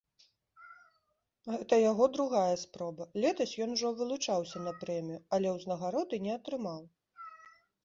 Гэта яго другая спроба, летась ён ужо вылучаўся на прэмію, але ўзнагароды не атрымаў.